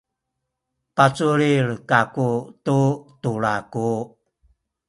paculil kaku tu tulaku.